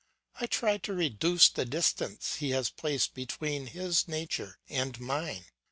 I tried to reduce the distance he has placed between his nature and mine.